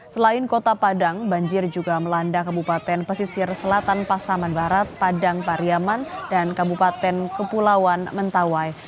selain kota padang banjir juga melanda kabupaten pesisir selatan pasaman barat padang pariaman dan kabupaten kepulauan mentawai